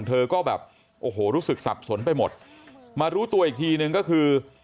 เธอก็แบบโอ้โหรู้สึกสับสนไปหมดมารู้ตัวอีกทีนึงก็คือ